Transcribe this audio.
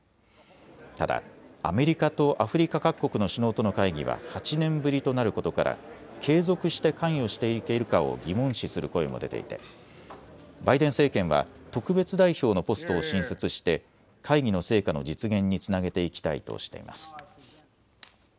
ただアメリカとアフリカ各国の首脳との会議は８年ぶりとなることから継続して関与していけるかを疑問視する声も出ていてバイデン政権は特別代表のポストを新設して会議の成果の実現につなげていきたいとしています。